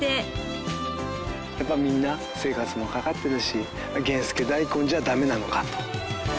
やっぱみんな生活もかかっているし源助だいこんじゃダメなのかと。